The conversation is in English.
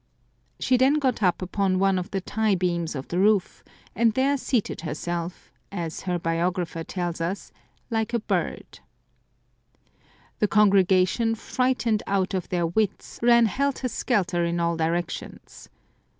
She then got upon one of the tie beams of the roof, and there seated 197 Curiosities of Olden Times herself, as her biographer tells us, *^ like a bird." The congregation, frightened out of their wits, ran helter skelter in all directions.